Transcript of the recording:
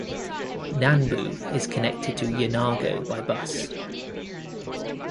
Nanbu is connected to Yonago by bus.